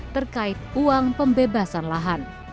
terkait uang pembebasan lahan